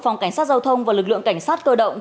phòng cảnh sát giao thông và lực lượng cảnh sát cơ động